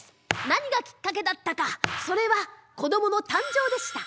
何がきっかけだったかそれはこどもの誕生でした。